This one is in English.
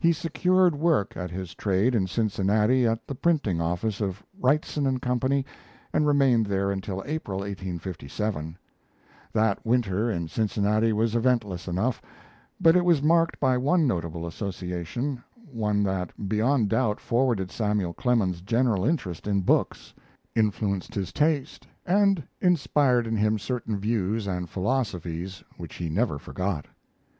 He secured work at his trade in Cincinnati at the printing office of Wrightson & Co., and remained there until April, 1857. That winter in Cincinnati was eventless enough, but it was marked by one notable association one that beyond doubt forwarded Samuel Clemens's general interest in books, influenced his taste, and inspired in him certain views and philosophies which he never forgot.